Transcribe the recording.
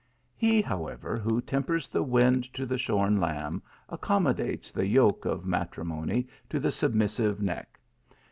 i. He., however, who tempers the wind to the shorn lamb, accommodates the yoke of matrimony to the submissive neck.